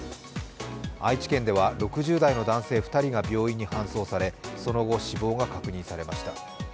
愛知県では６０代の男性２人が病院に搬送されその後、死亡が確認されました。